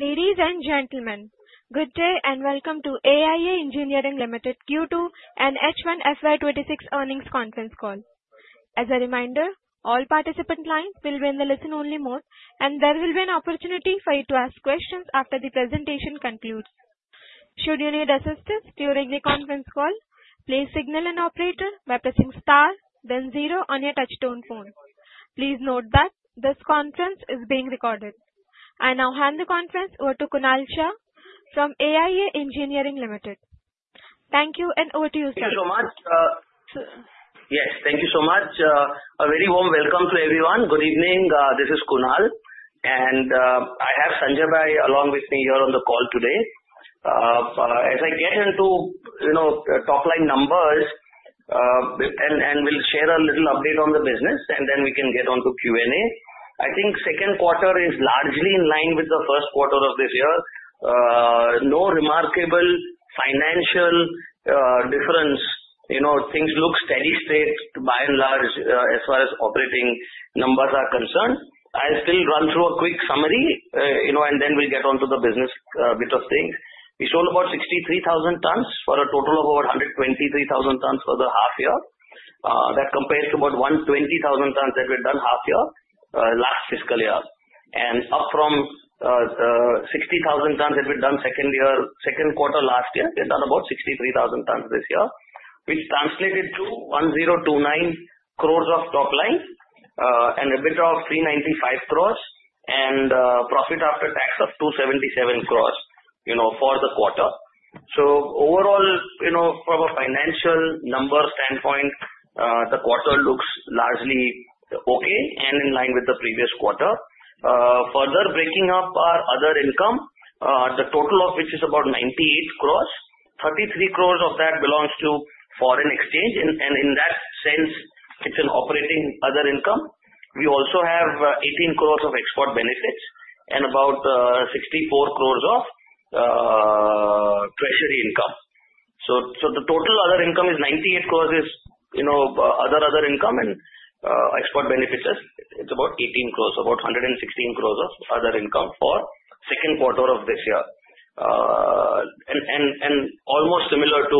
Ladies and gentlemen, good day and welcome to AIA Engineering Limited Q2 and H1 FY26 earnings conference call. As a reminder, all participant lines will be in the listen-only mode, and there will be an opportunity for you to ask questions after the presentation concludes. Should you need assistance during the conference call, please signal an operator by pressing star, then zero on your touch-tone phone. Please note that this conference is being recorded. I now hand the conference over to Kunal Shah from AIA Engineering Limited. Thank you, and over to you, sir. Thank you so much. Yes, thank you so much. A very warm welcome to everyone. Good evening. This is Kunal, and I have Sanjay Bhai along with me here on the call today. As I get into top-line numbers, and we'll share a little update on the business, and then we can get on to Q&A. I think second quarter is largely in line with the first quarter of this year. No remarkable financial difference. Things look steady state, by and large, as far as operating numbers are concerned. I'll still run through a quick summary, and then we'll get on to the business bit of things. We sold about 63,000 tons for a total of about 123,000 tons for the half year. That compares to about 120,000 tons that we've done half year last fiscal year. Up from the 60,000 tons that we've done second quarter last year, we've done about 63,000 tons this year, which translated to 1,029 crore of top line and EBITDA of 395 crore, and profit after tax of 277 crore for the quarter. Overall, from a financial number standpoint, the quarter looks largely okay and in line with the previous quarter. Further breaking up our other income, the total of which is about 98 crore. 33 crore of that belongs to foreign exchange, and in that sense, it's an operating other income. We also have 18 crore of export benefits and about 64 crore of treasury income. The total other income is 98 crores is other income, and export benefits is about 18 crores, about 116 crores of other income for second quarter of this year, and almost similar to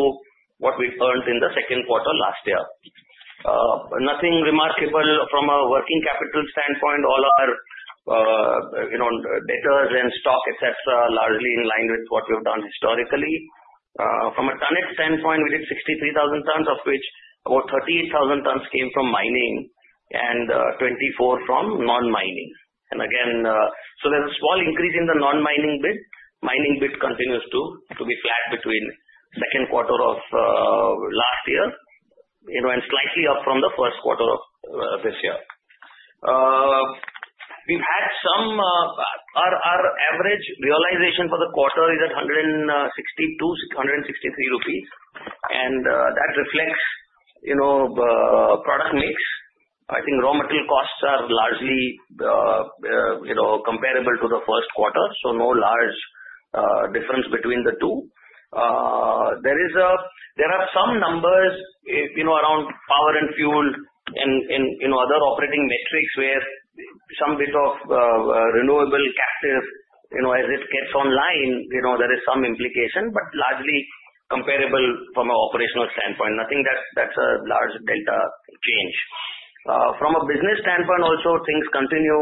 what we earned in the second quarter last year. Nothing remarkable from a working capital standpoint. All our debtors and stock, etc., are largely in line with what we've done historically. From a tonnage standpoint, we did 63,000 tons, of which about 38,000 tons came from mining and 24,000 from non-mining. Again, there's a small increase in the non-mining bit. Mining bit continues to be flat between second quarter of last year and slightly up from the first quarter of this year. We've had some, our average realization for the quarter is at 162-163 rupees, and that reflects product mix. I think raw material costs are largely comparable to the first quarter, so no large difference between the two. There are some numbers around power and fuel and other operating metrics where some bit of renewable captive as it gets online, there is some implication, but largely comparable from an operational standpoint. Nothing that's a large delta change. From a business standpoint, also, things continue.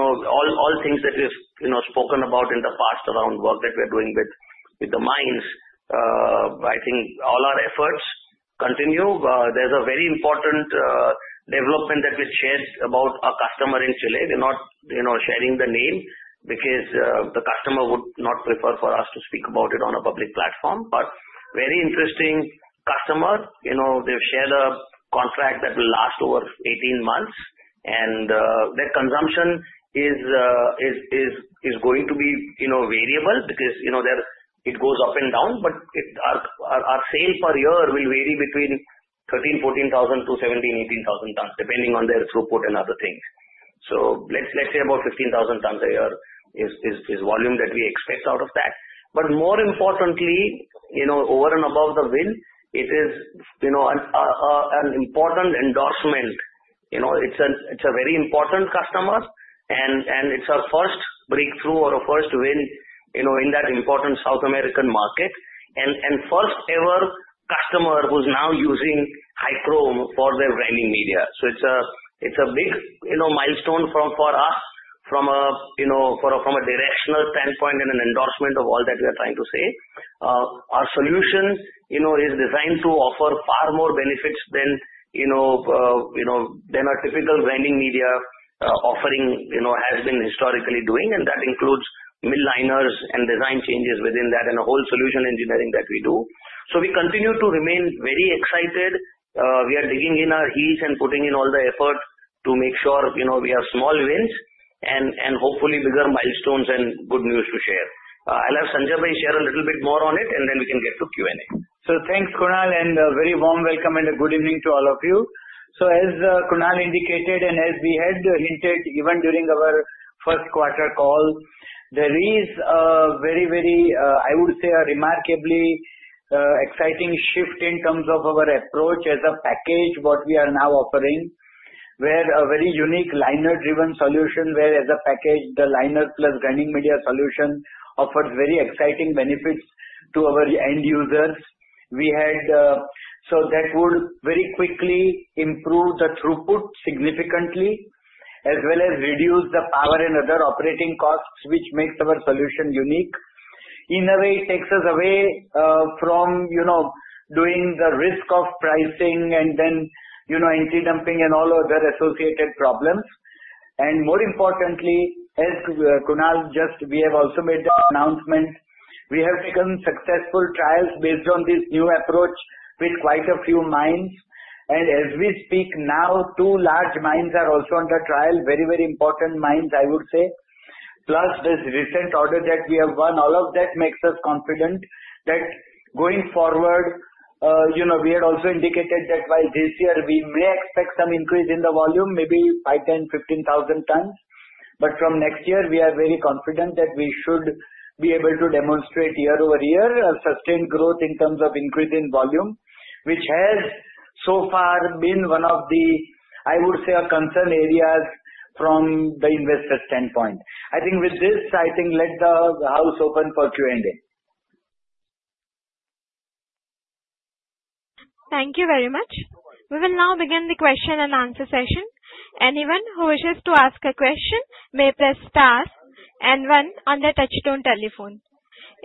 All things that we've spoken about in the past around work that we're doing with the mines, I think all our efforts continue. There's a very important development that we've shared about our customer in Chile. We're not sharing the name because the customer would not prefer for us to speak about it on a public platform. Very interesting customer. They've shared a contract that will last over 18 months, and their consumption is going to be variable because it goes up and down, but our sale per year will vary between 13,000-14,000 to 17,000-18,000 tons, depending on their throughput and other things. Let's say about 15,000 tons a year is volume that we expect out of that. More importantly, over and above the win, it is an important endorsement. It is a very important customer, and it is our first breakthrough or a first win in that important South American market and first-ever customer who is now using HyChrome for their grinding media. It is a big milestone for us from a directional standpoint and an endorsement of all that we are trying to say. Our solution is designed to offer far more benefits than our typical grinding media offering has been historically doing, and that includes milliners and design changes within that and the whole solution engineering that we do. We continue to remain very excited. We are digging in our heels and putting in all the effort to make sure we have small wins and hopefully bigger milestones and good news to share. I'll have Sanjay Bhai share a little bit more on it, and then we can get to Q&A. Thanks, Kunal, and a very warm welcome and a good evening to all of you. As Kunal indicated and as we had hinted even during our first quarter call, there is a very, very, I would say, a remarkably exciting shift in terms of our approach as a package, what we are now offering, where a very unique liner-driven solution, where as a package, the liner plus grinding media solution offers very exciting benefits to our end users. That would very quickly improve the throughput significantly, as well as reduce the power and other operating costs, which makes our solution unique. In a way, it takes us away from doing the risk of pricing and then anti-dumping and all other associated problems. More importantly, as Kunal just, we have also made the announcement. We have taken successful trials based on this new approach with quite a few mines. As we speak now, two large mines are also under trial, very, very important mines, I would say. Plus this recent order that we have won, all of that makes us confident that going forward, we had also indicated that while this year we may expect some increase in the volume, maybe 5, 10, 15,000 tons. From next year, we are very confident that we should be able to demonstrate year over year a sustained growth in terms of increase in volume, which has so far been one of the, I would say, concern areas from the investor standpoint. I think with this, I think let the house open for Q&A. Thank you very much. We will now begin the question and answer session. Anyone who wishes to ask a question may press star and one on the touch-tone telephone.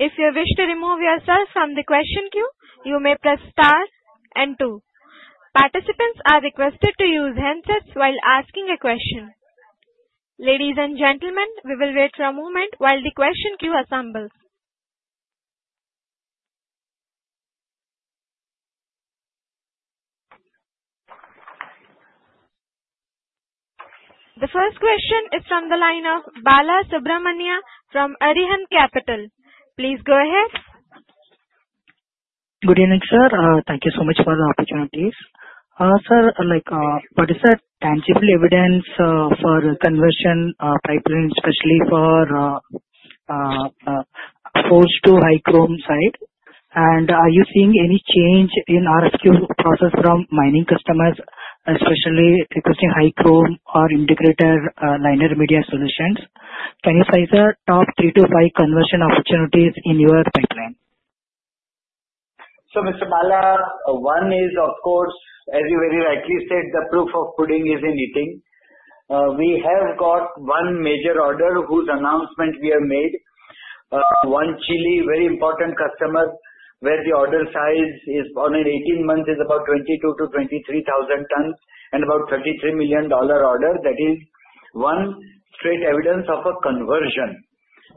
If you wish to remove yourself from the question queue, you may press star and two. Participants are requested to use handsets while asking a question. Ladies and gentlemen, we will wait for a moment while the question queue assembles. The first question is from the line of Bala Subramania from Arihan Capital. Please go ahead. Good evening, sir. Thank you so much for the opportunities. Sir, what is the tangible evidence for conversion pipeline, especially for forged to HyChrome side? And are you seeing any change in RFQ process from mining customers, especially requesting HyChrome or integrated liner media solutions? Can you cite the top three to five conversion opportunities in your pipeline? Mr. Bala, one is, of course, as you very rightly said, the proof of pudding is in eating. We have got one major order whose announcement we have made. One Chile, very important customer, where the order size is on an 18 month is about 22,000-23,000 tons and about $33 million order. That is one straight evidence of a conversion.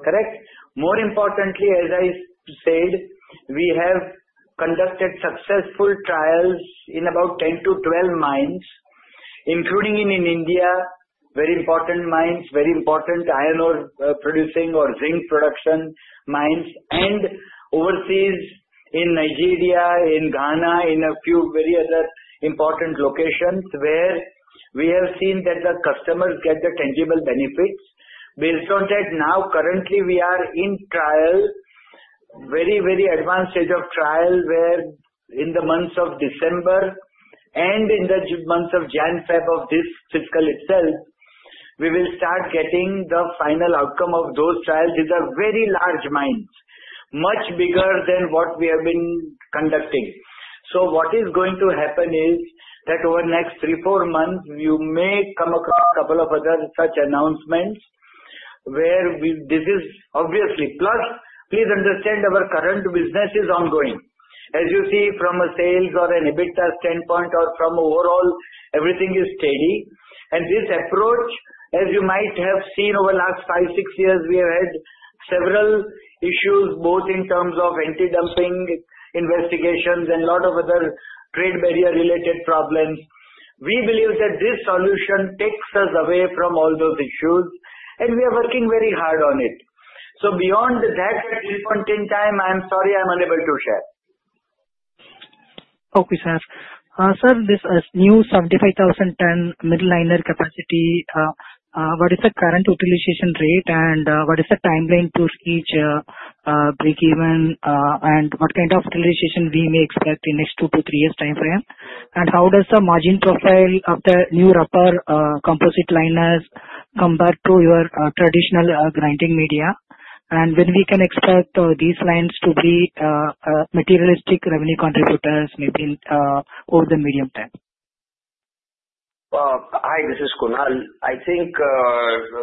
Correct. More importantly, as I said, we have conducted successful trials in about 10-12 mines, including in India, very important mines, very important iron ore producing or zinc production mines, and overseas in Nigeria, in Ghana, in a few very other important locations where we have seen that the customers get the tangible benefits. Based on that, now currently we are in trial, very, very advanced stage of trial, where in the months of December and in the months of January-February of this fiscal itself, we will start getting the final outcome of those trials. These are very large mines, much bigger than what we have been conducting. What is going to happen is that over the next three, four months, you may come across a couple of other such announcements where this is obviously plus. Please understand our current business is ongoing. As you see from a sales or an EBITDA standpoint or from overall, everything is steady. This approach, as you might have seen over the last five, six years, we have had several issues both in terms of anti-dumping investigations and a lot of other trade barrier-related problems. We believe that this solution takes us away from all those issues, and we are working very hard on it. Beyond that, at this point in time, I'm sorry I'm unable to share. Okay, sir. Sir, this new 75,000 ton milliner capacity, what is the current utilization rate, what is the timeline to reach breakeven, what kind of utilization we may expect in the next two to three years' time frame? How does the margin profile of the new rubber composite liners compare to your traditional grinding media? When can we expect these lines to be materialistic revenue contributors, maybe over the medium term? Hi, this is Kunal. I think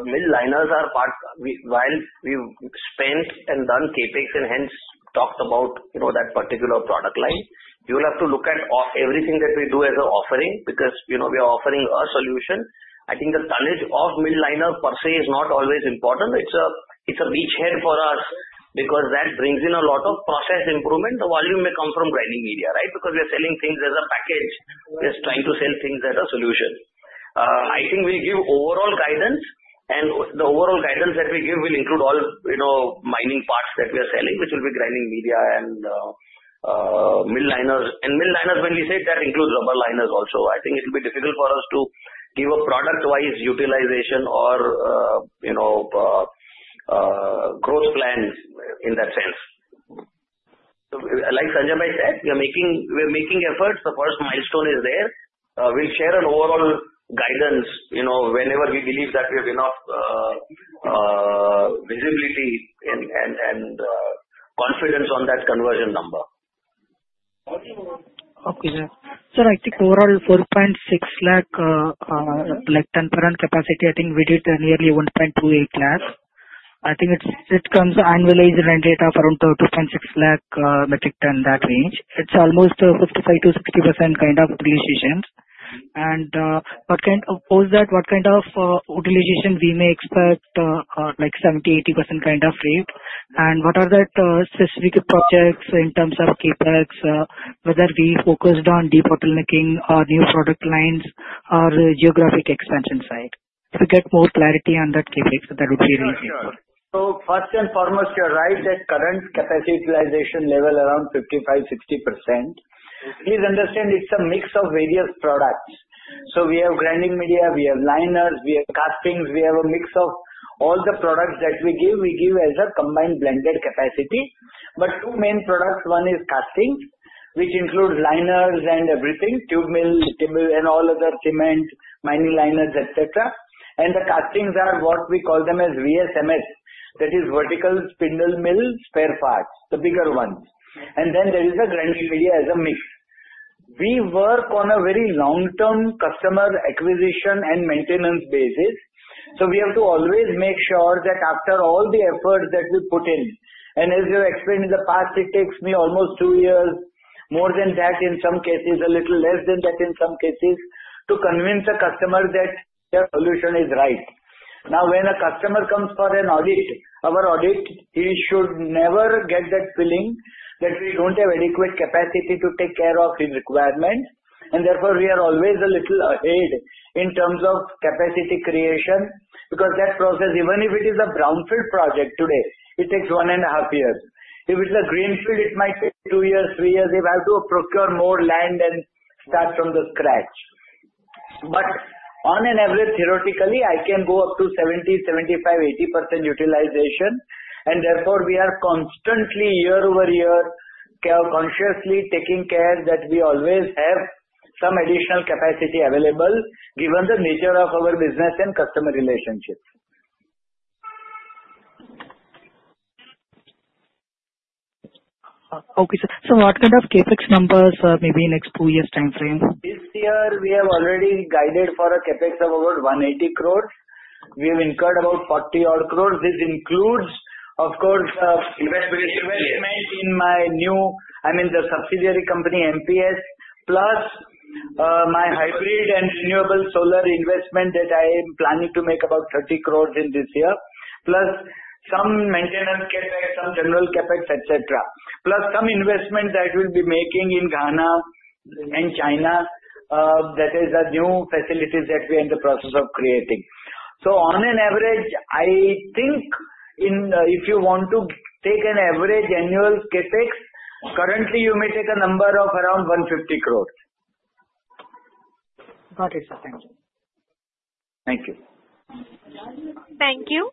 midliners are part while we've spent and done CAPEX and hence talked about that particular product line. You'll have to look at everything that we do as an offering because we are offering a solution. I think the tonnage of midliner per se is not always important. It's a beachhead for us because that brings in a lot of process improvement. The volume may come from grinding media, right? Because we are selling things as a package. We're trying to sell things as a solution. I think we'll give overall guidance, and the overall guidance that we give will include all mining parts that we are selling, which will be grinding media and midliners. And midliners, when we say that includes rubber liners also, I think it will be difficult for us to give a product-wise utilization or growth plan in that sense. Like Sanjay Bhai said, we are making efforts. The first milestone is there. We'll share an overall guidance whenever we believe that we have enough visibility and confidence on that conversion number. Okay, sir. Sir, I think overall 4.6 lakh ton per annum capacity, I think we did nearly 1.28 lakh. I think it comes annualized rent rate of around 2.6 lakh metric ton that range. It's almost 55-60% kind of utilization. What kind of post that, what kind of utilization we may expect, like 70-80% kind of rate, and what are the specific projects in terms of CapEx, whether we focused on debottlenecking or new product lines or geographic expansion side? If we get more clarity on that CapEx, that would be really helpful. First and foremost, you're right that current capacity utilization level is around 55-60%. Please understand it's a mix of various products. We have grinding media, we have liners, we have castings. We have a mix of all the products that we give. We give as a combined blended capacity. Two main products, one is castings, which includes liners and everything, tube mill, and all other cement, mining liners, etc. The castings are what we call them as VSMS. That is vertical spindle mill spare parts, the bigger ones. Then there is the grinding media as a mix. We work on a very long-term customer acquisition and maintenance basis. We have to always make sure that after all the efforts that we put in, and as you explained in the past, it takes me almost two years, more than that in some cases, a little less than that in some cases, to convince the customer that their solution is right. Now, when a customer comes for an audit, our audit, he should never get that feeling that we do not have adequate capacity to take care of his requirement. Therefore, we are always a little ahead in terms of capacity creation because that process, even if it is a brownfield project today, it takes one and a half years. If it is a greenfield, it might take two years, three years if I have to procure more land and start from the scratch. On an average, theoretically, I can go up to 70-75-80% utilization. Therefore, we are constantly year over year consciously taking care that we always have some additional capacity available given the nature of our business and customer relationships. Okay, sir. So what kind of CapEx numbers maybe in the next two years' time frame? This year, we have already guided for a CAPEX of about 180 crore. We have incurred about 40-odd crore. This includes, of course, investment in my new, I mean, the subsidiary company, MPS, plus my hybrid and renewable solar investment that I am planning to make about 30 crore in this year, plus some maintenance CAPEX, some general CAPEX, etc., plus some investment that we'll be making in Ghana and China. That is the new facilities that we are in the process of creating. On an average, I think if you want to take an average annual CAPEX, currently you may take a number of around 150 crore. Got it, sir. Thank you. Thank you. Thank you.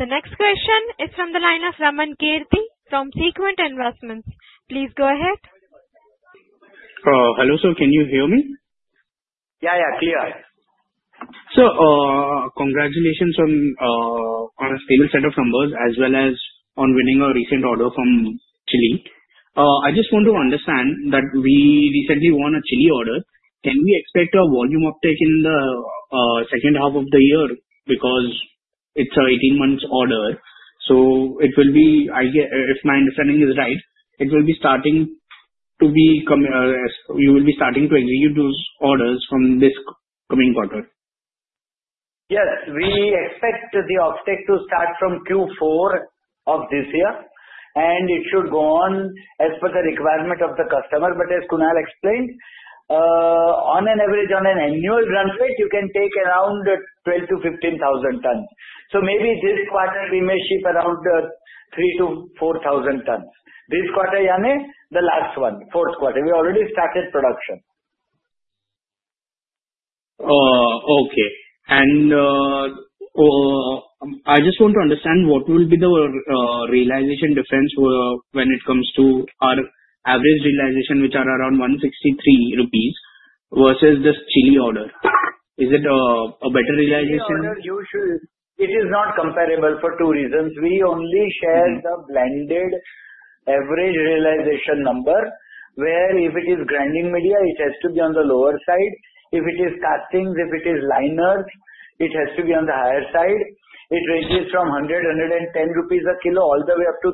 The next question is from the line of Raman Keerthi from Sequint Investments. Please go ahead. Hello, sir. Can you hear me? Yeah, yeah. Clear. Sir, congratulations on a stable set of numbers as well as on winning a recent order from Chile. I just want to understand that we recently won a Chile order. Can we expect a volume uptake in the second half of the year because it's an 18-month order? If my understanding is right, you will be starting to execute those orders from this coming quarter. Yes. We expect the uptake to start from Q4 of this year, and it should go on as per the requirement of the customer. As Kunal explained, on an average, on an annual grant rate, you can take around 12,000-15,000 tons. This quarter, we may ship around 3,000-4,000 tons. This quarter, Jane, the last one, fourth quarter. We already started production. Okay. I just want to understand what will be the realization difference when it comes to our average realization, which are around 163 rupees versus this Chile order. Is it a better realization? It is not comparable for two reasons. We only share the blended average realization number, where if it is grinding media, it has to be on the lower side. If it is castings, if it is liners, it has to be on the higher side. It ranges from 100-110 rupees a kilo all the way up to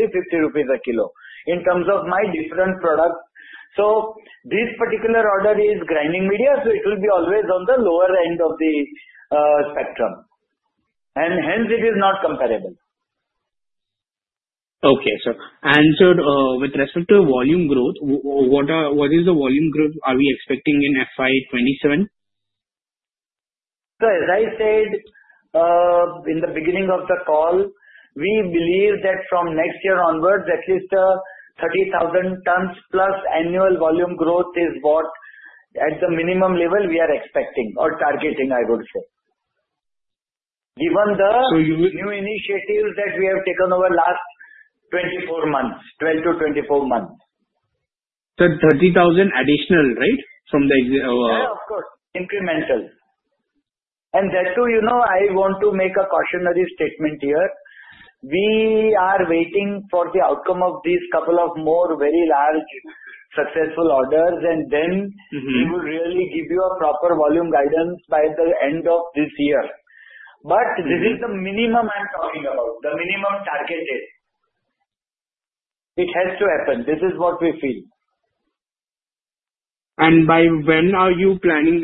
300-350 rupees a kilo in terms of my different products. This particular order is grinding media, so it will be always on the lower end of the spectrum. Hence, it is not comparable. Okay, sir. And sir, with respect to volume growth, what is the volume growth are we expecting in FY 2027? Sir, as I said in the beginning of the call, we believe that from next year onwards, at least 30,000 tons plus annual volume growth is what at the minimum level we are expecting or targeting, I would say, given the new initiatives that we have taken over the last 12 to 24 months. Sir, 30,000 additional, right, from the? Yeah, of course. Incremental. There too, I want to make a cautionary statement here. We are waiting for the outcome of these couple of more very large successful orders, and then we will really give you a proper volume guidance by the end of this year. This is the minimum I'm talking about, the minimum targeted. It has to happen. This is what we feel. By when are you planning?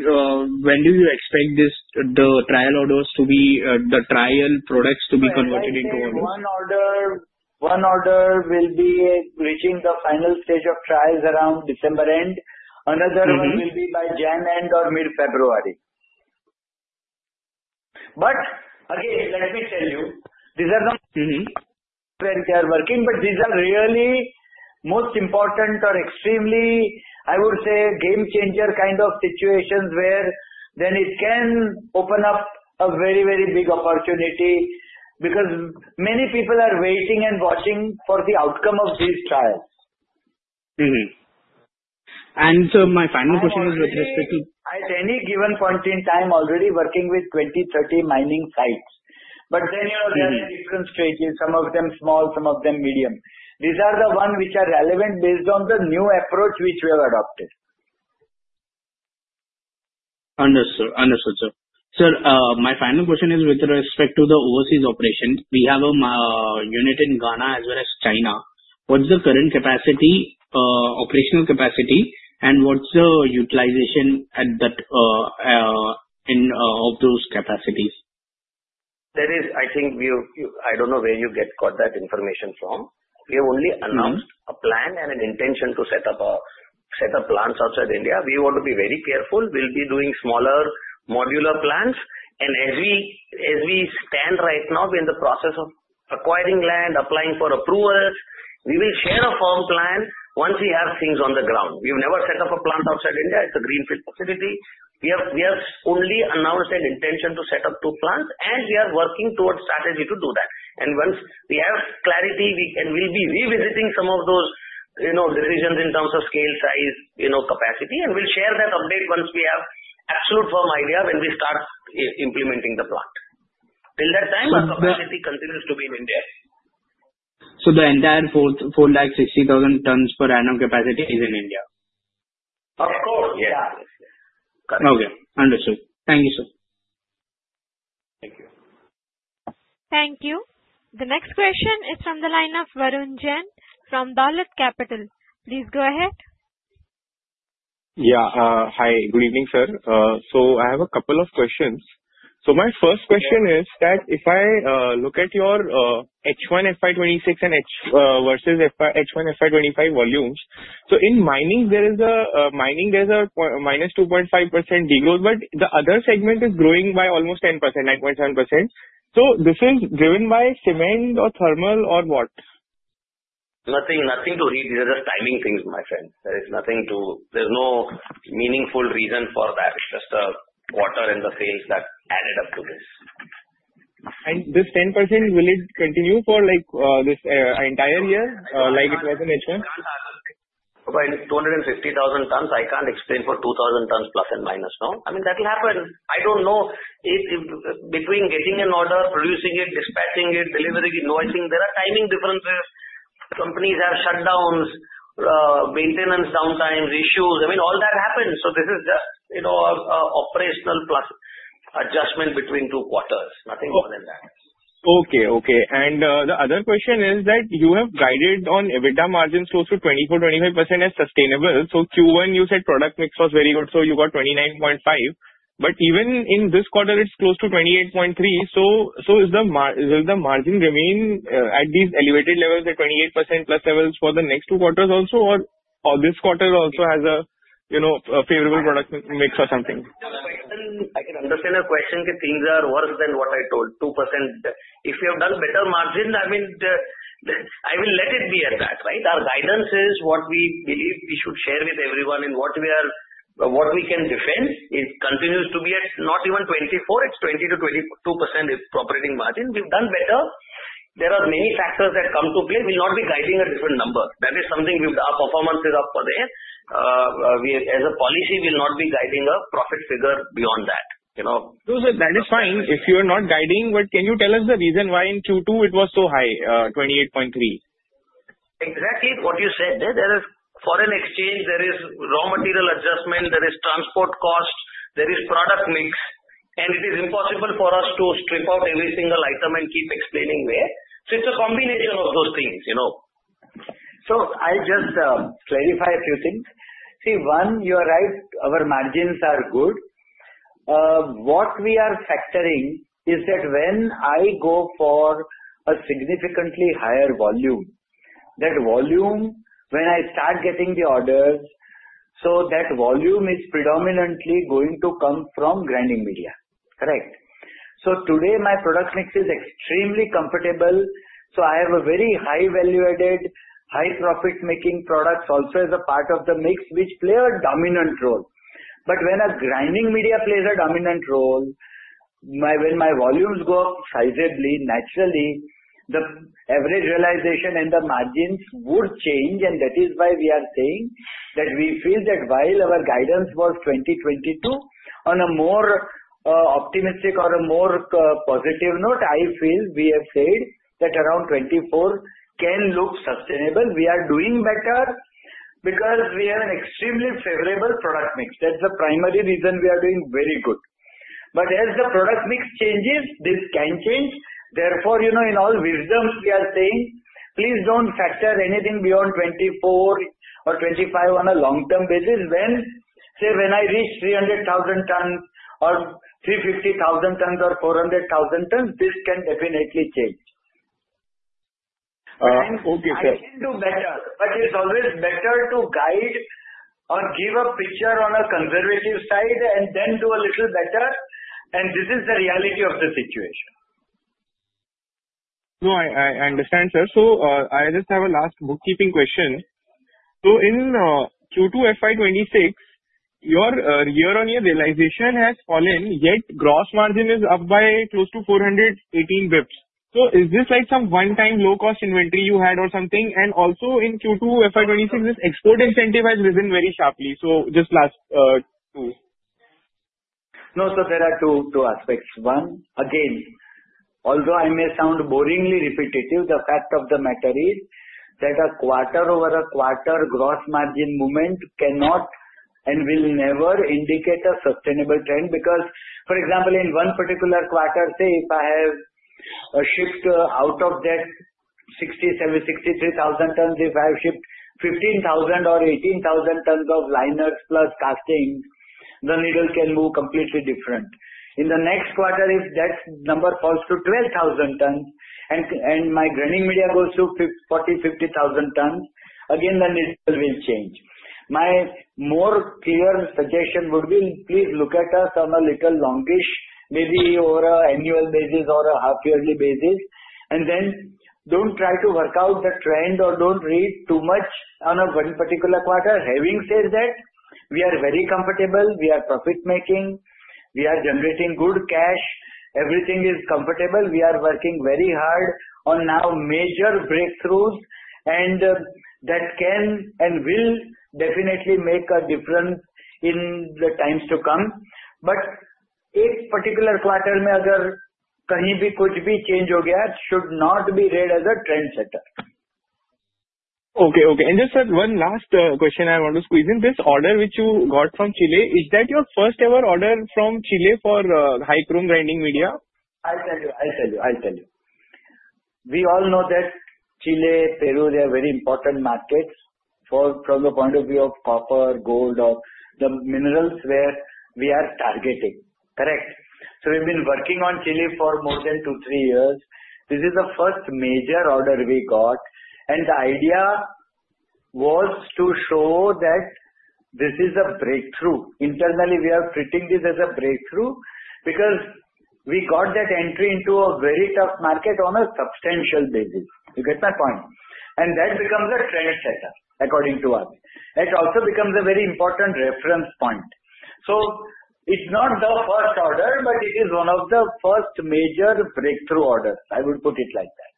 When do you expect the trial orders to be, the trial products to be converted into orders? One order will be reaching the final stage of trials around December end. Another one will be by January end or mid-February. Let me tell you, these are the way we are working, but these are really most important or extremely, I would say, game-changer kind of situations where it can open up a very, very big opportunity because many people are waiting and watching for the outcome of these trials. Sir, my final question is with respect to. At any given point in time, already working with 20-30 mining sites. There are different stages, some of them small, some of them medium. These are the ones which are relevant based on the new approach which we have adopted. Understood, sir. Sir, my final question is with respect to the overseas operation. We have a unit in Ghana as well as China. What's the current operational capacity, and what's the utilization of those capacities? That is, I think I do not know where you got that information from. We have only announced a plan and an intention to set up plants outside India. We want to be very careful. We will be doing smaller modular plants. As we stand right now in the process of acquiring land, applying for approvals, we will share a firm plan once we have things on the ground. We have never set up a plant outside India. It is a greenfield facility. We have only announced an intention to set up two plants, and we are working towards strategy to do that. Once we have clarity, we will be revisiting some of those decisions in terms of scale, size, capacity, and we will share that update once we have absolute firm idea when we start implementing the plant. Till that time, our capacity continues to be in India. The entire 460,000 tons per annum capacity is in India? Of course. Yes. Correct. Okay. Understood. Thank you, sir. Thank you. Thank you. The next question is from the line of Varun Jain from Dahlia Capital. Please go ahead. Yeah. Hi, good evening, sir. I have a couple of questions. My first question is that if I look at your H1, FY26, and H1, FY25 volumes, in mining, there is a minus 2.5% degrowth, but the other segment is growing by almost 10%, 9.7%. Is this driven by cement or thermal or what? Nothing to read. These are just timing things, my friend. There's no meaningful reason for that. It's just water and the sales that added up to this. This 10%, will it continue for this entire year like it was in H1? 250,000 tons, I can't explain for 2,000 tons plus and minus. I mean, that will happen. I don't know. Between getting an order, producing it, dispatching it, delivering it, noising, there are timing differences. Companies have shutdowns, maintenance downtimes, issues. I mean, all that happens. This is just an operational plus adjustment between two quarters. Nothing more than that. Okay. Okay. The other question is that you have guided on EBITDA margin close to 24-25% as sustainable. Q1, you said product mix was very good, so you got 29.5%. Even in this quarter, it is close to 28.3%. Will the margin remain at these elevated levels at 28% plus levels for the next two quarters also, or does this quarter also have a favorable product mix or something? I can understand a question if things are worse than what I told, 2%. If we have done better margin, I mean, I will let it be at that, right? Our guidance is what we believe we should share with everyone, and what we can defend continues to be at not even 24%. It's 20-22% operating margin. We've done better. There are many factors that come to play. We'll not be guiding a different number. That is something our performance is up for there. As a policy, we'll not be guiding a profit figure beyond that. No, sir, that is fine. If you are not guiding, but can you tell us the reason why in Q2 it was so high, 28.3%? Exactly what you said. There is foreign exchange, there is raw material adjustment, there is transport cost, there is product mix, and it is impossible for us to strip out every single item and keep explaining where. It is a combination of those things. I will just clarify a few things. See, one, you are right. Our margins are good. What we are factoring is that when I go for a significantly higher volume, that volume, when I start getting the orders, that volume is predominantly going to come from grinding media. Correct. Today, my product mix is extremely compatible. I have very high value-added, high profit-making products also as a part of the mix, which play a dominant role. When grinding media plays a dominant role, when my volumes go up sizably, naturally, the average realization and the margins would change. That is why we are saying that we feel that while our guidance was 2022, on a more optimistic or a more positive note, I feel we have said that around 24 can look sustainable. We are doing better because we have an extremely favorable product mix. That is the primary reason we are doing very good. As the product mix changes, this can change. Therefore, in all wisdom, we are saying, please do not factor anything beyond 24 or 25 on a long-term basis. When I reach 300,000 tons or 350,000 tons or 400,000 tons, this can definitely change. Okay, sir. I can do better, but it's always better to guide or give a picture on a conservative side and then do a little better. This is the reality of the situation. No, I understand, sir. I just have a last bookkeeping question. In Q2, FY26, your year-on-year realization has fallen, yet gross margin is up by close to 418 basis points. Is this like some one-time low-cost inventory you had or something? Also, in Q2, FY26, this export incentive has risen very sharply. Just last two. No, sir, there are two aspects. One, again, although I may sound boringly repetitive, the fact of the matter is that a quarter-over-a-quarter gross margin movement cannot and will never indicate a sustainable trend because, for example, in one particular quarter, say if I have shipped out of that 60,000, 63,000 tons, if I have shipped 15,000 or 18,000 tons of liners plus casting, the needle can move completely different. In the next quarter, if that number falls to 12,000 tons and my grinding media goes to 40,000-50,000 tons, again, the needle will change. My more clear suggestion would be, please look at us on a little longish, maybe over an annual basis or a half-yearly basis, and then do not try to work out the trend or do not read too much on a particular quarter. Having said that, we are very comfortable. We are profit-making. We are generating good cash. Everything is comfortable. We are working very hard on now major breakthroughs, and that can and will definitely make a difference in the times to come. If particular quarter में अगर कहीं भी कुछ भी change हो गया, it should not be read as a trend setter. Okay. Okay. Just one last question I want to squeeze in. This order which you got from Chile, is that your first-ever order from Chile for high-chrome grinding media? I'll tell you. We all know that Chile, Peru, they are very important markets from the point of view of copper, gold, or the minerals where we are targeting. Correct. We've been working on Chile for more than two, three years. This is the first major order we got. The idea was to show that this is a breakthrough. Internally, we are treating this as a breakthrough because we got that entry into a very tough market on a substantial basis. You get my point? That becomes a trend setter according to us. It also becomes a very important reference point. It's not the first order, but it is one of the first major breakthrough orders. I would put it like that.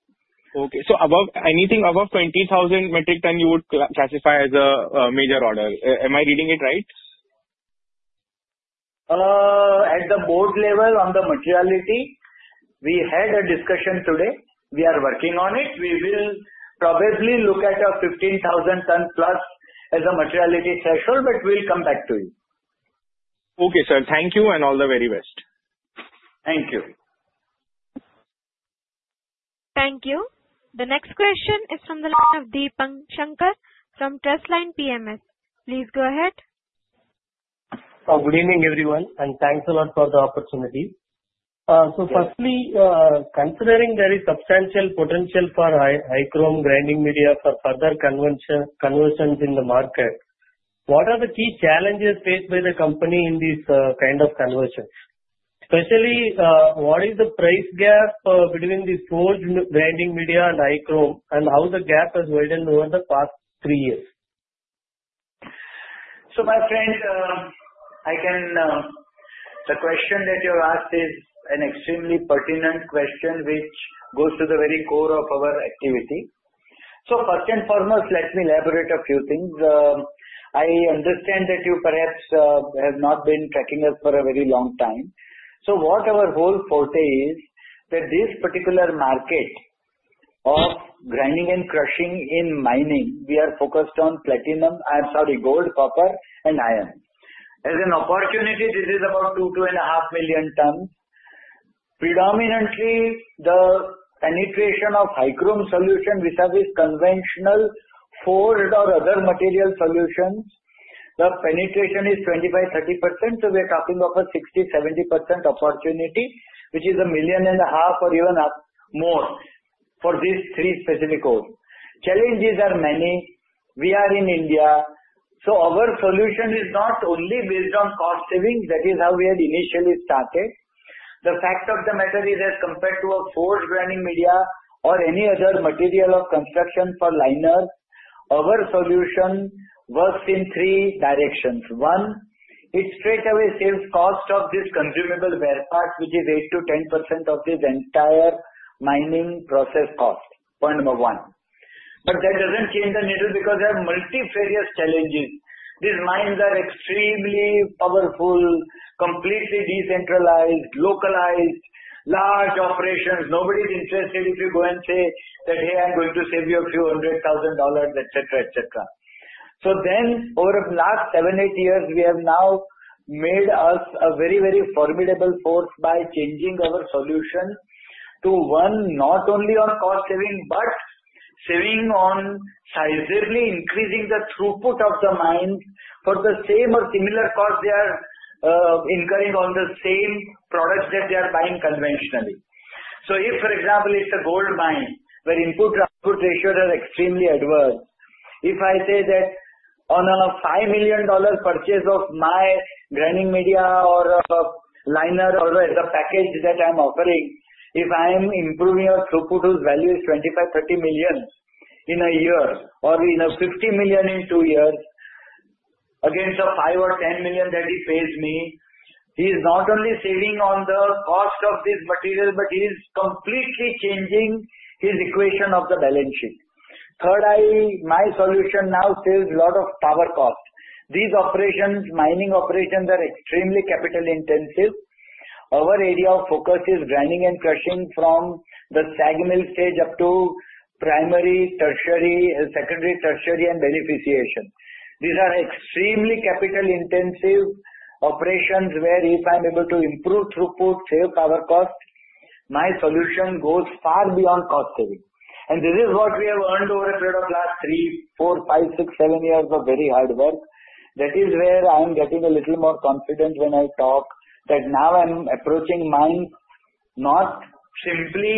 Okay. So anything above 20,000 metric ton you would classify as a major order. Am I reading it right? At the board level on the materiality, we had a discussion today. We are working on it. We will probably look at a 15,000 tons plus as a materiality threshold, but we'll come back to you. Okay, sir. Thank you and all the very best. Thank you. Thank you. The next question is from the line of Deepang Shankar from Trustline PMS. Please go ahead. Good evening, everyone. Thanks a lot for the opportunity. Firstly, considering there is substantial potential for high-chrome grinding media for further conversions in the market, what are the key challenges faced by the company in this kind of conversion? Especially, what is the price gap between the forged grinding media and high-chrome, and how has the gap widened over the past three years? My friend, the question that you have asked is an extremely pertinent question which goes to the very core of our activity. First and foremost, let me elaborate a few things. I understand that you perhaps have not been tracking us for a very long time. What our whole forte is that this particular market of grinding and crushing in mining, we are focused on platinum—sorry, gold, copper, and iron. As an opportunity, this is about 2-2.5 million tons. Predominantly, the penetration of high-chrome solution, which are these conventional forged or other material solutions, the penetration is 25-30%. We are talking about 60-70% opportunity, which is a million and a half or even more for these three specific goals. Challenges are many. We are in India. Our solution is not only based on cost savings. That is how we had initially started. The fact of the matter is that compared to a forged grinding media or any other material of construction for liners, our solution works in three directions. One, it straightaway saves cost of this consumable ware part, which is 8%-10% of this entire mining process cost. Point number one. That does not change the needle because there are multifarious challenges. These mines are extremely powerful, completely decentralized, localized, large operations. Nobody is interested if you go and say that, "Hey, I am going to save you a few hundred thousand dollars," etc., etc. Over the last seven, eight years, we have now made us a very, very formidable force by changing our solution to, one, not only on cost saving, but saving on sizably increasing the throughput of the mines for the same or similar cost they are incurring on the same products that they are buying conventionally. If, for example, it is a gold mine where input-output ratios are extremely adverse, if I say that on a $5 million purchase of my grinding media or a liner or as a package that I am offering, if I am improving or throughput whose value is $25 million, $30 million in a year or $50 million in two years, against a $5 million or $10 million that he pays me, he is not only saving on the cost of this material, but he is completely changing his equation of the balance sheet. Third, my solution now saves a lot of power cost. These operations, mining operations, are extremely capital-intensive. Our area of focus is grinding and crushing from the stagnant stage up to primary, secondary, tertiary, and beneficiation. These are extremely capital-intensive operations where if I'm able to improve throughput, save power cost, my solution goes far beyond cost saving. This is what we have earned over a period of the last three, four, five, six, seven years of very hard work. That is where I'm getting a little more confident when I talk that now I'm approaching mines not simply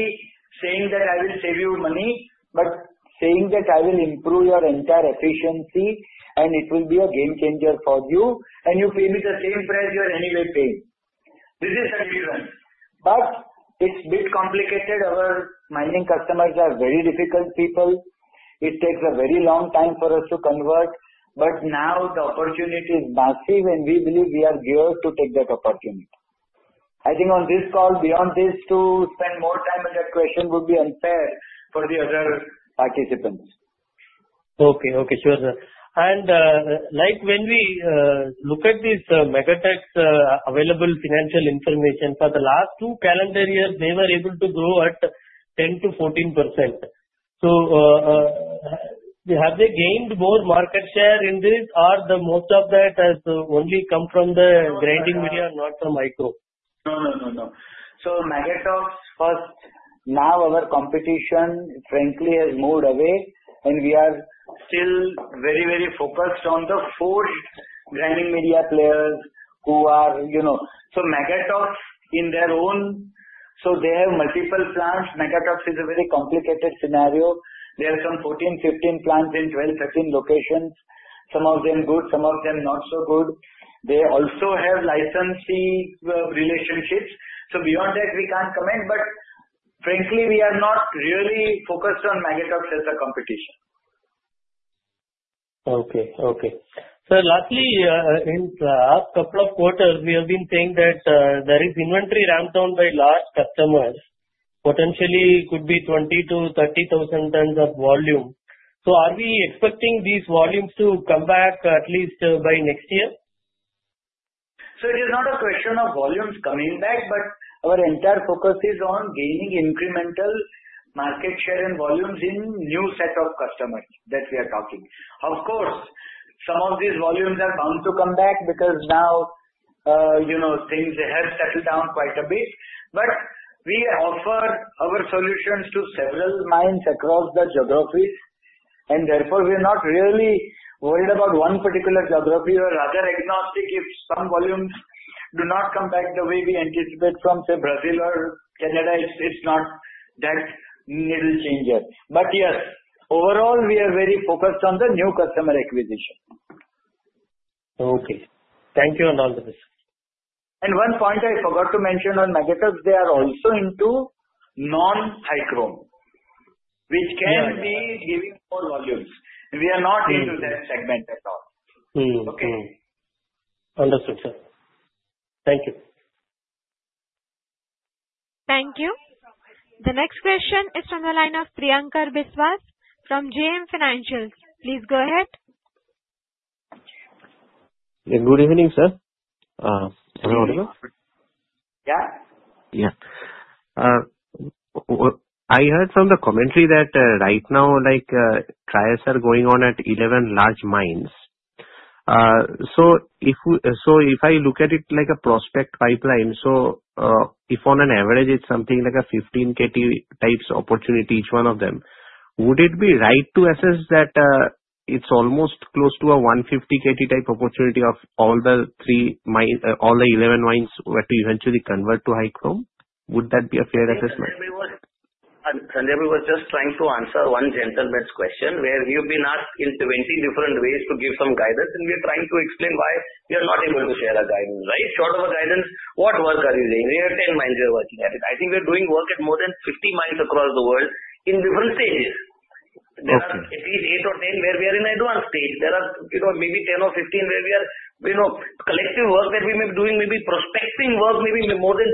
saying that I will save you money, but saying that I will improve your entire efficiency, and it will be a game changer for you, and you pay me the same price you are anyway paying. This is the difference. It is a bit complicated. Our mining customers are very difficult people. It takes a very long time for us to convert. Now the opportunity is massive, and we believe we are geared to take that opportunity. I think on this call, beyond this, to spend more time on that question would be unfair for the other participants. Okay. Okay. Sure, sir. When we look at this Magotteaux's available financial information, for the last two calendar years, they were able to grow at 10-14%. Have they gained more market share in this, or most of that has only come from the grinding media and not from high-chrome? No, no, no. Magotteaux first, now our competition, frankly, has moved away, and we are still very, very focused on the forged grinding media players who are, so Magotteaux in their own, they have multiple plants. Magotteaux is a very complicated scenario. They have some 14-15 plants in 12-13 locations, some of them good, some of them not so good. They also have licensee relationships. Beyond that, we cannot comment. Frankly, we are not really focused on Magotteaux as a competition. Okay. Okay. Lastly, in the last couple of quarters, we have been saying that there is inventory ramped down by large customers, potentially could be 20,000-30,000 tons of volume. Are we expecting these volumes to come back at least by next year? It is not a question of volumes coming back, but our entire focus is on gaining incremental market share and volumes in new set of customers that we are talking. Of course, some of these volumes are bound to come back because now things have settled down quite a bit. We offer our solutions to several mines across the geographies, and therefore, we are not really worried about one particular geography or other agnostic if some volumes do not come back the way we anticipate from, say, Brazil or Canada. It is not that needle changer. Yes, overall, we are very focused on the new customer acquisition. Okay. Thank you on all the questions. One point I forgot to mention on Magotteaux, they are also into non-high-chrome, which can be giving more volumes. We are not into that segment at all. Okay? Understood, sir. Thank you. Thank you. The next question is from the line of Priyankar Biswas from JM Financials. Please go ahead. Good evening, sir. Everyone okay? Yeah. Yeah. I heard from the commentary that right now, trials are going on at 11 large mines. If I look at it like a prospect pipeline, if on average, it's something like a 15 KT types opportunity, each one of them, would it be right to assess that it's almost close to a 150 KT type opportunity of all the 11 mines to eventually convert to high-chrome? Would that be a fair assessment? Sanjaybhai was just trying to answer one gentleman's question where we've been asked in 20 different ways to give some guidance, and we're trying to explain why we are not able to share a guidance, right? Short of a guidance, what work are you doing? We have 10 mines we are working at. I think we are doing work at more than 50 mines across the world in different stages. There are at least 8 or 10 where we are in advanced stage. There are maybe 10 or 15 where we are collective work that we may be doing, maybe prospecting work, maybe more than 200,000-250,000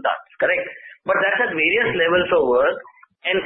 tons. Correct? That is at various levels of work. Where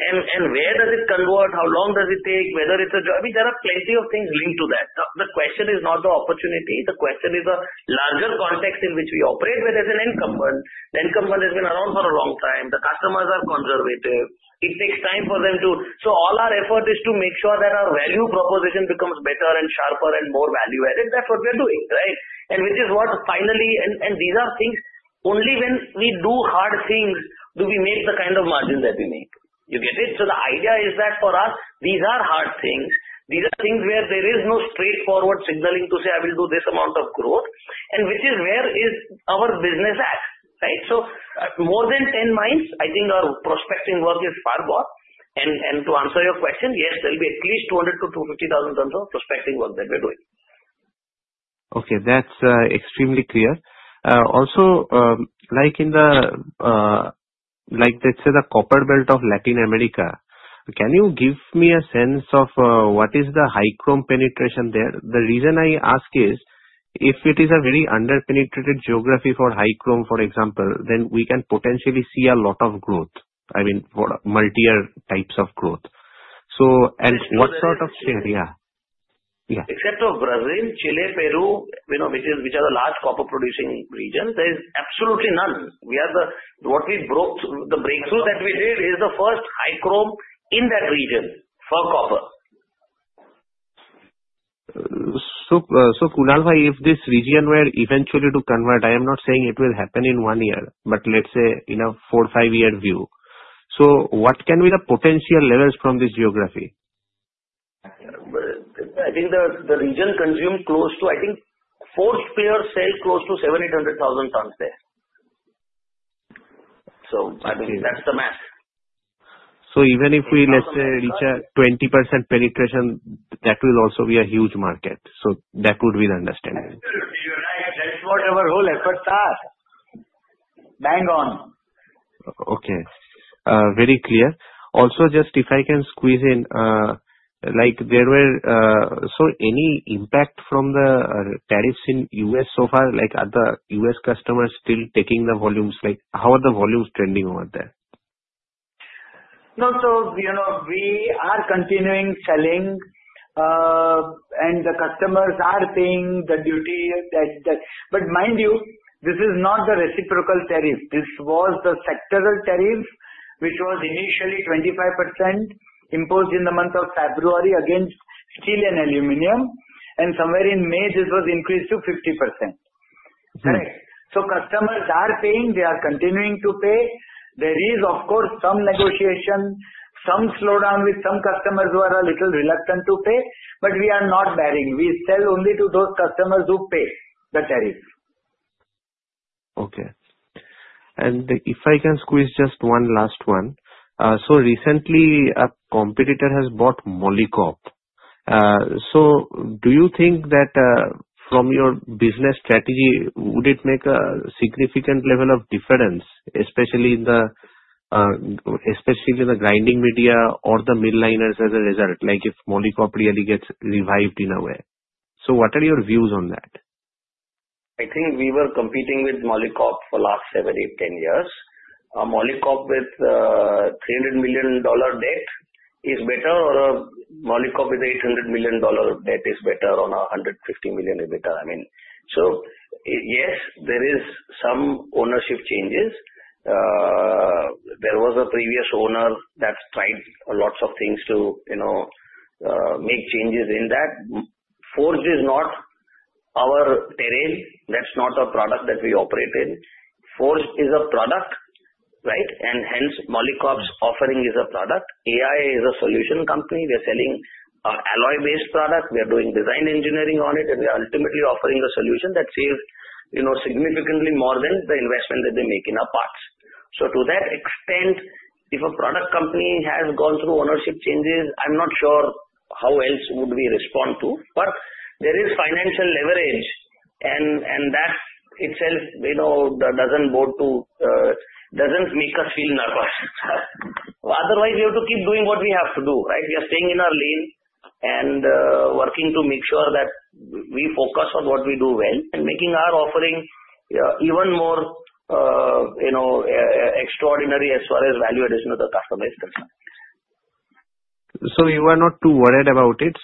does it convert? How long does it take? Whether it's a job, I mean, there are plenty of things linked to that. The question is not the opportunity. The question is a larger context in which we operate where there's an end component. The end component has been around for a long time. The customers are conservative. It takes time for them to, so all our effort is to make sure that our value proposition becomes better and sharper and more value-added. That's what we are doing, right? Which is what finally, and these are things, only when we do hard things do we make the kind of margin that we make. You get it? The idea is that for us, these are hard things. These are things where there is no straightforward signaling to say, "I will do this amount of growth," which is where our business acts, right? More than 10 mines, I think our prospecting work is far more. To answer your question, yes, there will be at least 200-250 thousand tons of prospecting work that we are doing. Okay. That's extremely clear. Also, like in the, let's say, the copper belt of Latin America, can you give me a sense of what is the high-chrome penetration there? The reason I ask is if it is a very under-penetrated geography for high-chrome, for example, then we can potentially see a lot of growth, I mean, multi-year types of growth. So what sort of area? Yeah. Except for Brazil, Chile, Peru, which are the large copper-producing regions, there is absolutely none. What we broke, the breakthrough that we did is the first high-chrome in that region for copper. Kunalbhai, if this region were eventually to convert, I am not saying it will happen in one year, but let's say in a four, five-year view. What can be the potential levels from this geography? I think the region consumes close to, I think, fourth-tier sale close to 700,000-800,000 tons there. I mean, that's the math. Even if we, let's say, reach a 20% penetration, that will also be a huge market. That would be the understanding. You're right. That's what our whole efforts are. Bang on. Okay. Very clear. Also, just if I can squeeze in, were there any impact from the tariffs in the U.S. so far? Are the U.S. customers still taking the volumes? How are the volumes trending over there? No. We are continuing selling, and the customers are paying the duty. Mind you, this is not the reciprocal tariff. This was the sectoral tariff, which was initially 25% imposed in the month of February against steel and aluminum. Somewhere in May, this was increased to 50%. Correct? Customers are paying. They are continuing to pay. There is, of course, some negotiation, some slowdown with some customers who are a little reluctant to pay. We are not bearing. We sell only to those customers who pay the tariff. Okay. If I can squeeze just one last one. Recently, a competitor has bought Molycorp. Do you think that from your business strategy, it would make a significant level of difference, especially in the grinding media or the mill liners as a result, if Molycorp really gets revived in a way? What are your views on that? I think we were competing with Molycorp for the last 7, 8, 10 years. Molycorp with a $300 million debt is better, or Molycorp with a $800 million debt is better, or $150 million is better. I mean, yes, there are some ownership changes. There was a previous owner that tried lots of things to make changes in that. Forge is not our terrain. That is not a product that we operate in. Forge is a product, right? Hence, Molycorp's offering is a product. AIA is a solution company. We are selling an alloy-based product. We are doing design engineering on it, and we are ultimately offering a solution that saves significantly more than the investment that they make in our parts. To that extent, if a product company has gone through ownership changes, I am not sure how else would we respond to. There is financial leverage, and that itself does not make us feel nervous. Otherwise, we have to keep doing what we have to do, right? We are staying in our lane and working to make sure that we focus on what we do well and making our offering even more extraordinary as far as value addition to the customer is concerned. You are not too worried about it?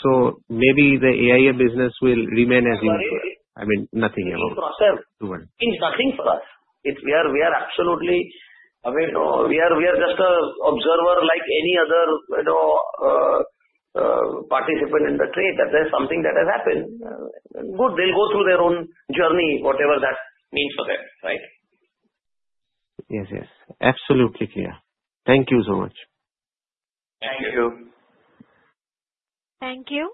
Maybe the AIA business will remain as usual? I mean, nothing about it. Nothing for us. We are absolutely, we are just an observer like any other participant in the trade. That's something that has happened. Good. They'll go through their own journey, whatever that means for them, right? Yes, yes. Absolutely clear. Thank you so much. Thank you. Thank you.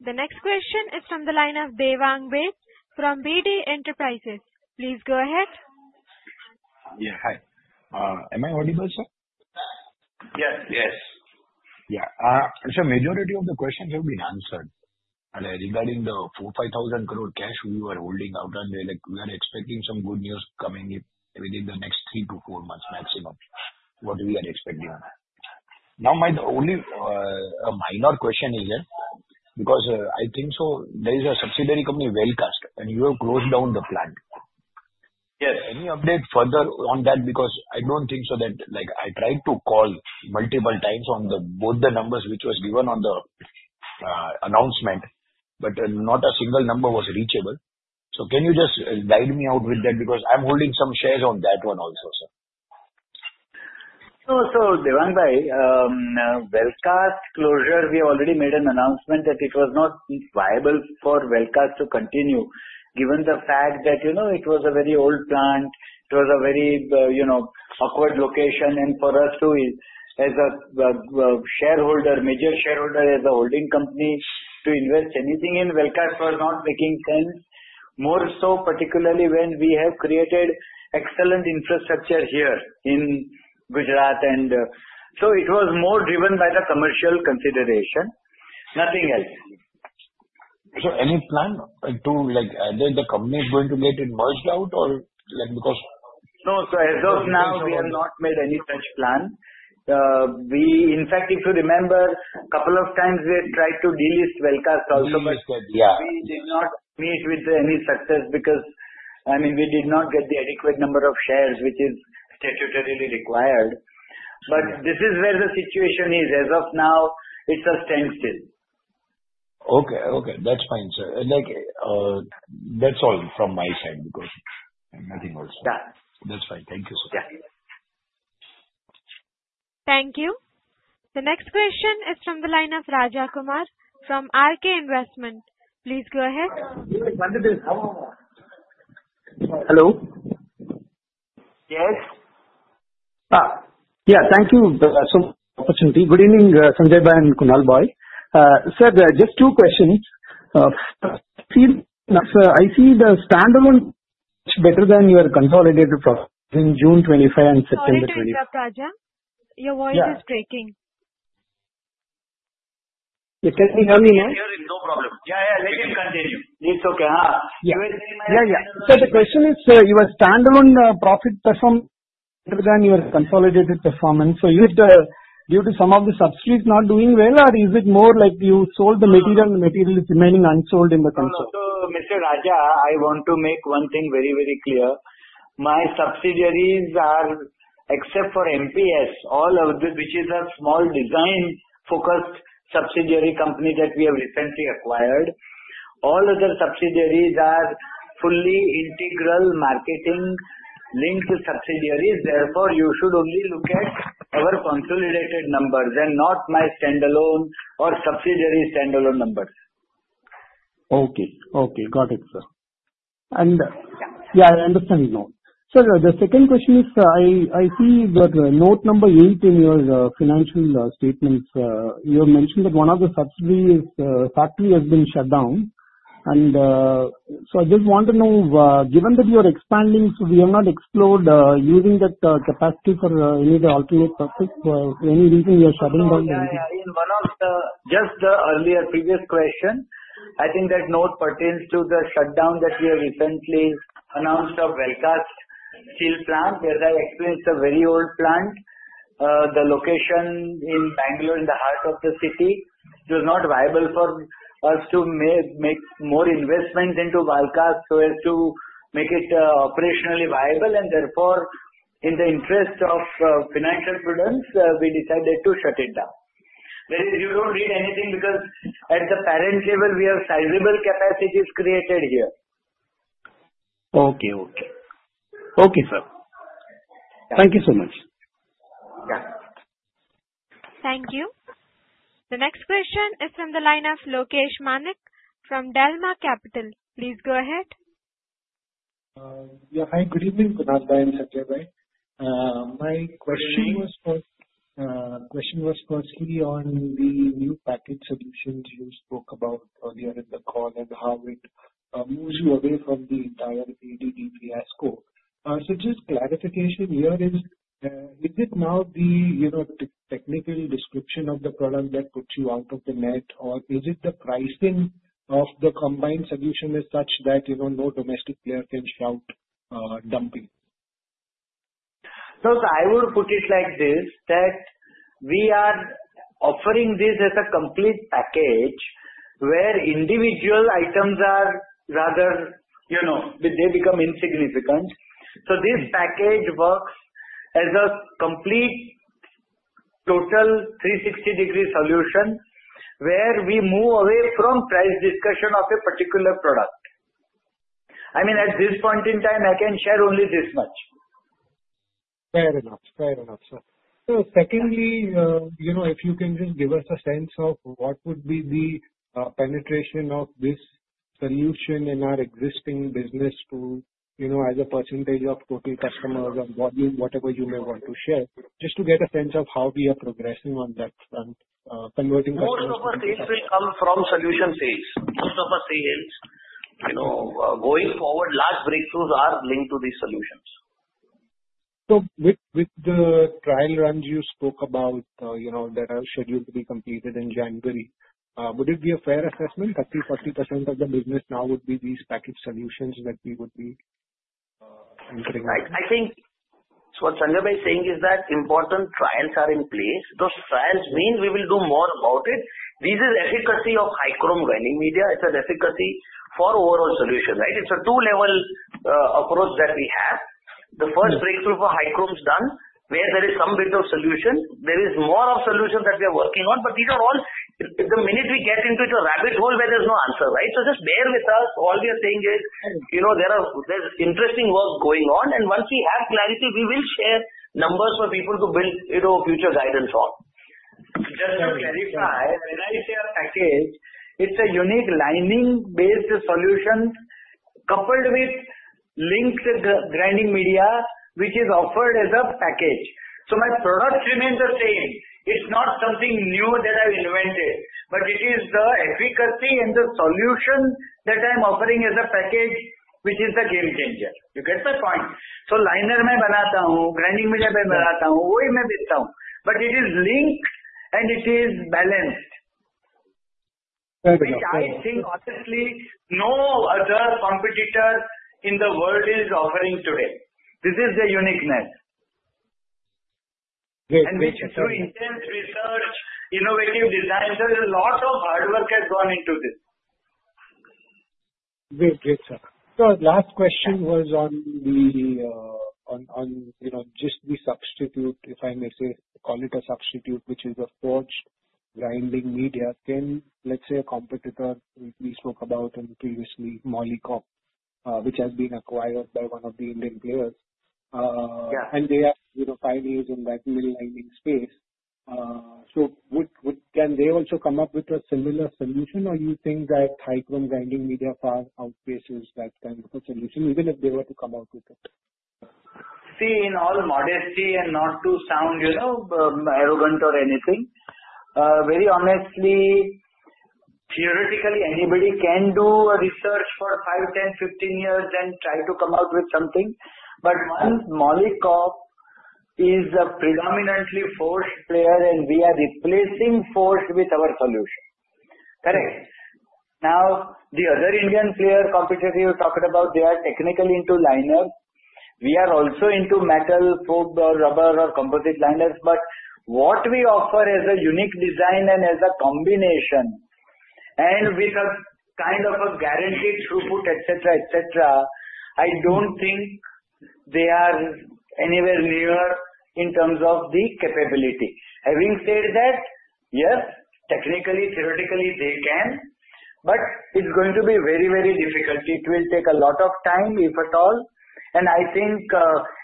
The next question is from the line of Devangbhesh from BD Enterprises. Please go ahead. Yeah. Hi. Am I audible, sir? Yes. Yes. Yeah. Sir, majority of the questions have been answered regarding the 4,000-5,000 crore cash we were holding out, and we are expecting some good news coming within the next three to four months maximum what we are expecting. Now, my only minor question is because I think so there is a subsidiary company, Wellcast, and you have closed down the plant. Yes. Any update further on that? Because I do not think so that I tried to call multiple times on both the numbers which were given on the announcement, but not a single number was reachable. Can you just guide me out with that? Because I am holding some shares on that one also, sir. Devangbhai, Wellcast closure, we already made an announcement that it was not viable for Wellcast to continue given the fact that it was a very old plant. It was a very awkward location. For us too, as a major shareholder, as a holding company, to invest anything in Wellcast was not making sense, more so particularly when we have created excellent infrastructure here in Gujarat. It was more driven by the commercial consideration. Nothing else. Any plan to the company is going to get it merged out or because? No. As of now, we have not made any such plan. In fact, if you remember, a couple of times we had tried to delist Wellcast also, but we did not meet with any success because, I mean, we did not get the adequate number of shares, which is statutorily required. This is where the situation is. As of now, it's a standstill. Okay. Okay. That's fine, sir. That's all from my side because nothing else. Done. That's fine. Thank you, sir. Yeah. Thank you. The next question is from the line of Rajakumar from RK Investment. Please go ahead. Hello. Yes. Yeah. Thank you so much for the opportunity. Good evening, Sanjaybhai and Kunalbhai. Sir, just two questions. I see the standalone much better than your consolidated profit in June 2025 and September 2020. Sanjaybhai, your voice is breaking. Yeah. Can you hear me now? I can hear you. No problem. Yeah. Let him continue. It's okay. Yeah. Yeah. Yeah. The question is, your standalone profit performed better than your consolidated performance. Is it due to some of the subsidiaries not doing well, or is it more like you sold the material and the material is remaining unsold in the consolidated? Mr. Raja, I want to make one thing very, very clear. My subsidiaries are, except for MPS, all of which is a small design-focused subsidiary company that we have recently acquired. All other subsidiaries are fully integral marketing-linked subsidiaries. Therefore, you should only look at our consolidated numbers and not my standalone or subsidiary standalone numbers. Okay. Okay. Got it, sir. Yeah, I understand it now. Sir, the second question is, I see that note number 8 in your financial statements, you have mentioned that one of the subsidiary's factory has been shut down. I just want to know, given that you are expanding, we have not explored using that capacity for any alternate purpose. For any reason, you are shutting down? I mean, one of the just the earlier previous question, I think that note pertains to the shutdown that we have recently announced of Wellcast Steel plant, where I explained it's a very old plant. The location in Bangalore, in the heart of the city, was not viable for us to make more investment into Wellcast so as to make it operationally viable. Therefore, in the interest of financial prudence, we decided to shut it down. Whereas you do not read anything because at the parent level, we have sizable capacities created here. Okay. Okay. Okay, sir. Thank you so much. Yeah. Thank you. The next question is from the line of Lokesh Manik from Dalma Capital. Please go ahead. Yeah. Hi. Good evening, Kunal Shah and Sanjay Bhai. My question was for Siri on the new package solutions you spoke about earlier in the call and how it moves you away from the entire BD/DPI scope. So just clarification here is, is it now the technical description of the product that puts you out of the net, or is it the pricing of the combined solution as such that no domestic player can shout dumping? I would put it like this that we are offering this as a complete package where individual items are, rather, they become insignificant. This package works as a complete total 360-degree solution where we move away from price discussion of a particular product. I mean, at this point in time, I can share only this much. Fair enough. Fair enough, sir. Secondly, if you can just give us a sense of what would be the penetration of this solution in our existing business too as a percentage of total customers and volume, whatever you may want to share, just to get a sense of how we are progressing on that front, converting customers. Most of our sales will come from solution sales. Most of our sales, going forward, large breakthroughs are linked to these solutions. With the trial runs you spoke about that are scheduled to be completed in January, would it be a fair assessment, 30-40% of the business now would be these package solutions that we would be entering? I think what Sanjay Bhai is saying is that important trials are in place. Those trials mean we will do more about it. This is efficacy of high-chrome grinding media. It's an efficacy for overall solution, right? It's a two-level approach that we have. The first breakthrough for high-chrome is done where there is some bit of solution. There is more of solution that we are working on, but these are all the minute we get into a rabbit hole where there's no answer, right? Just bear with us. All we are saying is there's interesting work going on. Once we have clarity, we will share numbers for people to build future guidance on. Just to clarify, when I say a package, it's a unique lining-based solution coupled with linked grinding media, which is offered as a package. My product remains the same. It's not something new that I've invented, but it is the efficacy and the solution that I'm offering as a package, which is the game changer. You get my point? So liner मैं बनाता हूं, grinding media मैं बनाता हूं, वही मैं बेचता हूं. But it is linked and it is balanced. Very good. Which I think, honestly, no other competitor in the world is offering today. This is the uniqueness. Great. Which, through intense research, innovative design, there's a lot of hard work has gone into this. Great. Great, sir. Last question was on just the substitute, if I may say, call it a substitute, which is a forged grinding media. Can, let's say, a competitor we spoke about previously, Molycorp, which has been acquired by one of the Indian players, and they have five years in that mill lining space. Can they also come up with a similar solution, or you think that high-chrome grinding media far outpaces that kind of a solution, even if they were to come out with it? See, in all modesty and not to sound arrogant or anything, very honestly, theoretically, anybody can do research for 5, 10, 15 years and try to come out with something. Once Molycorp is a predominantly forged player, and we are replacing forged with our solution. Correct. Now, the other Indian player, competitor, you talked about, they are technically into liner. We are also into metal, foam, rubber, or composite liners. What we offer as a unique design and as a combination, and with a kind of a guaranteed throughput, etc., etc., I do not think they are anywhere near in terms of the capability. Having said that, yes, technically, theoretically, they can, but it is going to be very, very difficult. It will take a lot of time, if at all. I think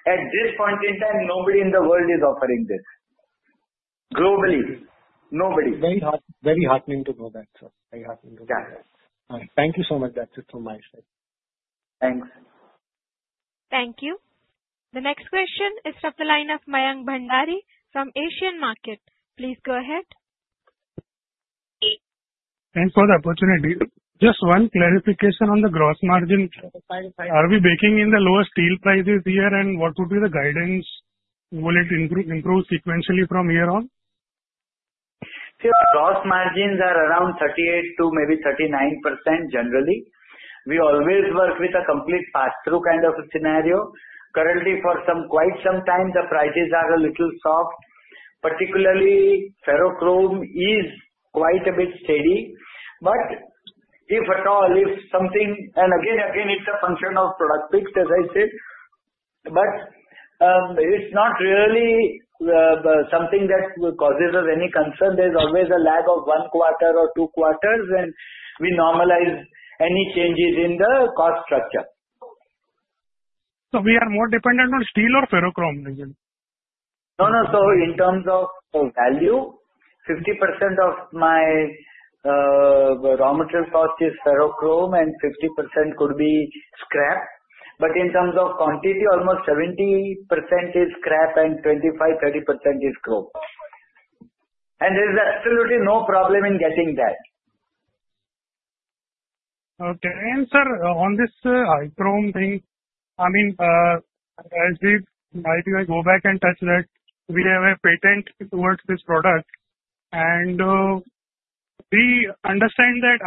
at this point in time, nobody in the world is offering this. Globally, nobody. Very heartening to know that, sir. Very heartening to know that. Yeah. All right. Thank you so much. That's it from my side. Thanks. Thank you. The next question is from the line of Mayank Bhandari from Asian Market. Please go ahead. Thanks for the opportunity. Just one clarification on the gross margin. Are we baking in the lower steel prices here, and what would be the guidance? Will it improve sequentially from here on? See, the gross margins are around 38%-39% generally. We always work with a complete pass-through kind of scenario. Currently, for quite some time, the prices are a little soft. Particularly, ferrochrome is quite a bit steady. If at all, if something and again, again, it's a function of product picks, as I said. It's not really something that causes us any concern. There's always a lag of one quarter or two quarters, and we normalize any changes in the cost structure. Are we more dependent on steel or ferrochrome? No, no. In terms of value, 50% of my raw material cost is ferrochrome, and 50% could be scrap. In terms of quantity, almost 70% is scrap and 25-30% is chrome. There is absolutely no problem in getting that. Okay. Sir, on this high-chrome thing, I mean, as we might go back and touch that, we have a patent towards this product. We understand that.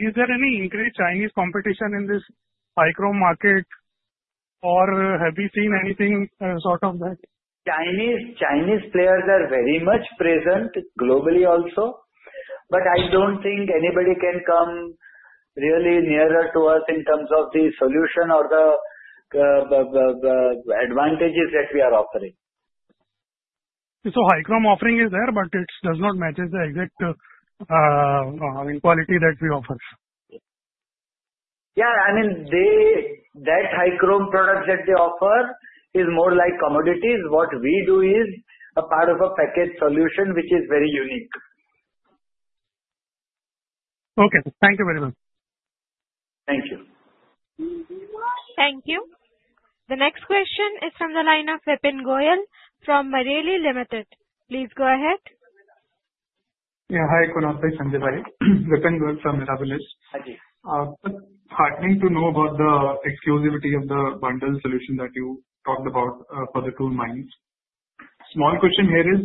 Is there any increased Chinese competition in this high-chrome market, or have we seen anything sort of that? Chinese players are very much present globally also. I do not think anybody can come really nearer to us in terms of the solution or the advantages that we are offering. High-chrome offering is there, but it does not match the exact quality that we offer. Yeah. I mean, that high-chrome product that they offer is more like commodities. What we do is a part of a package solution, which is very unique. Okay. Thank you very much. Thank you. Thank you. The next question is from the line of Vipin Goyal from Mareli Limited. Please go ahead. Yeah. Hi, Kunal Shah. Sanjay Bhai. Vipin Goyal from Mirabeles. Hi, Ji. Heartening to know about the exclusivity of the bundle solution that you talked about for the two mines. Small question here is,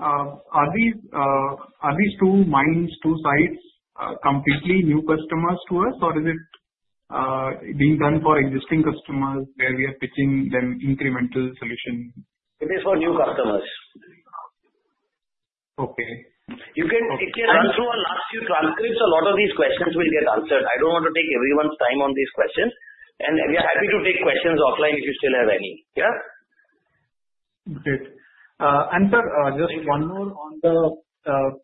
are these two mines, two sites, completely new customers to us, or is it being done for existing customers where we are pitching them incremental solution? It is for new customers. Okay. You can run through our last few transcripts. A lot of these questions will get answered. I do not want to take everyone's time on these questions. We are happy to take questions offline if you still have any. Yeah? Great. And sir, just one more on the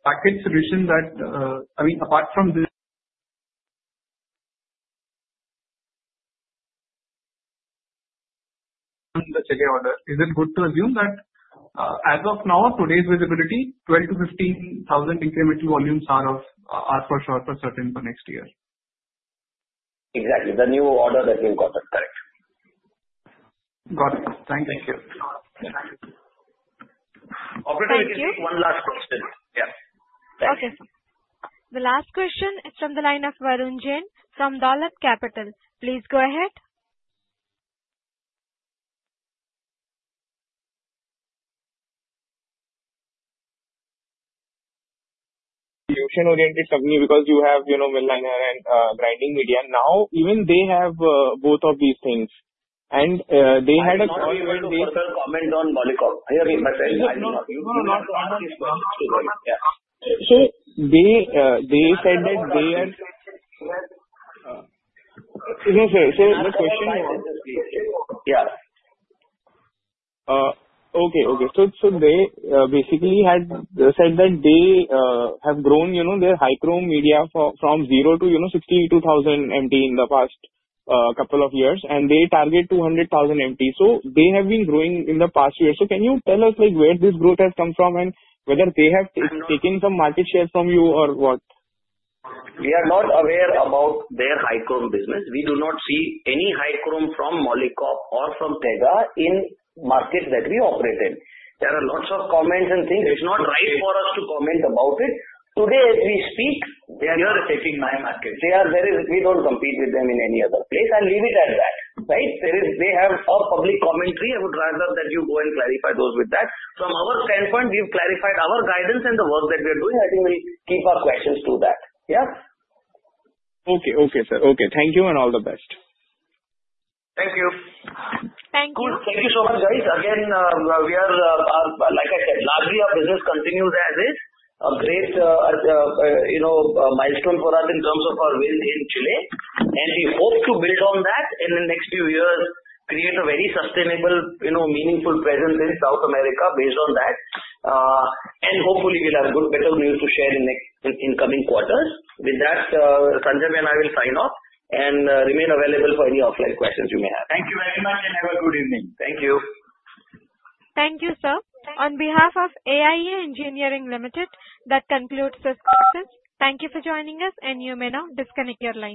package solution that I mean, apart from the order, is it good to assume that as of now, today's visibility, 12-15 thousand incremental volumes are for sure for certain for next year? Exactly. The new order that you got it, correct. Got it. Thank you. Thank you. Operator, just one last question. Yeah. Thanks. Okay. The last question is from the line of Varun Jain from Dahlia Capital. Please go ahead. Solution-oriented company because you have mill liner and grinding media. Now, even they have both of these things. They had a comment on Molycorp. No, no. They said that they are—let me say the question once. Yeah. Okay. Okay. So they basically had said that they have grown their high-chrome media from 0 to 62,000 MT in the past couple of years, and they target 200,000 MT. They have been growing in the past year. Can you tell us where this growth has come from and whether they have taken some market share from you or what? We are not aware about their high-chrome business. We do not see any high-chrome from Molycorp or from Tega in markets that we operate in. There are lots of comments and things. It's not right for us to comment about it. Today, as we speak, they are taking my market. We don't compete with them in any other place. I'll leave it at that, right? They have a public commentary. I would rather that you go and clarify those with that. From our standpoint, we've clarified our guidance and the work that we are doing. I think we'll keep our questions to that. Yeah? Okay. Okay, sir. Okay. Thank you and all the best. Thank you. Thank you. Thank you so much, guys. Again, we are, like I said, largely our business continues as is. A great milestone for us in terms of our win in Chile. We hope to build on that in the next few years, create a very sustainable, meaningful presence in South America based on that. Hopefully, we'll have better news to share in coming quarters. With that, Sanjay Bhai and I will sign off and remain available for any offline questions you may have. Thank you very much, and have a good evening. Thank you. Thank you, sir. On behalf of AIA Engineering Limited, that concludes this question. Thank you for joining us, and you may now disconnect your line.